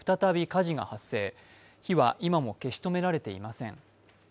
火は今も消し止められていません。